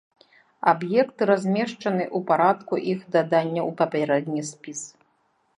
Аб'екты размешчаны ў парадку іх дадання ў папярэдні спіс.